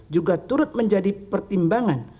juga turut menjadi pertimbangan